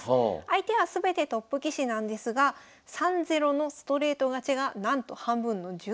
相手は全てトップ棋士なんですが３−０のストレート勝ちがなんと半分の１３回もあるんです。